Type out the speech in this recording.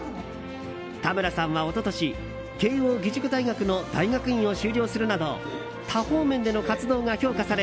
田村さんは一昨年慶應義塾大学の大学院を修了するなど多方面での活動が評価され